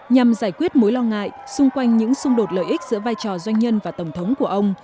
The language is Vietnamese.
nhằm giải quyết mối lo ngại xung quanh những xung đột lợi ích giữa vai trò doanh nhân và tổng thống của ông